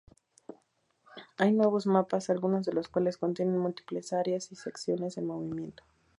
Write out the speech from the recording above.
Hay nuevos mapas, algunos de los cuales contienen múltiples áreas y secciones en movimiento.